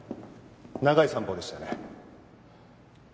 長い散歩でしたね。